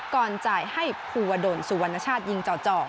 ก่อนจ่ายให้ภูวดลสุวรรณชาติยิงจ่อ